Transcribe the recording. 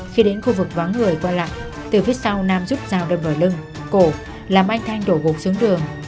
khi đến khu vực vắng người qua lặng từ phía sau nam giúp rào đâm vào lưng cổ làm anh thanh đổ gục xuống đường